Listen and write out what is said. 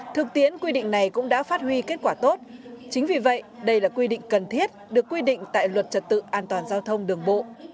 thực tiến quy định này cũng đã phát huy kết quả tốt chính vì vậy đây là quy định cần thiết được quy định tại luật trật tự an toàn giao thông đường bộ